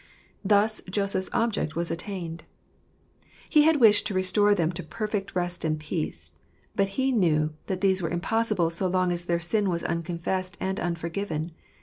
Thus Joseph's object was attained. He had wished to restore them to perfect rest and peace ; but he knew that these were impossible so long as their sin was unconfessed and unforgiven.